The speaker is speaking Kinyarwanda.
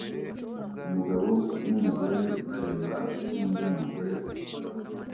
Umugabo numugore bareba nkundi mugore uvuga